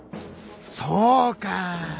そうか！